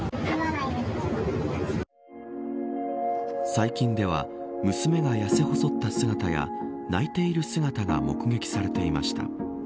最近では娘が痩せ細った姿や泣いている姿が目撃されていました。